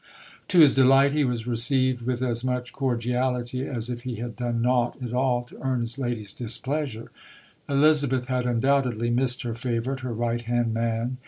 To his delight he was received with as much cordiality as if he had done naught at all to earn his Lady's displeasure. Elizabeth had undoubtedly missed her favourite, her right hand man.